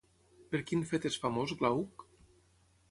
Per quin fet és famós Glauc?